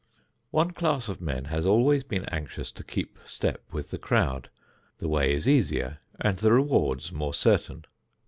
One class of men has always been anxious to keep step with the crowd. The way is easier and the rewards more certain.